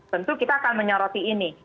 tentu kita akan menyoroti ini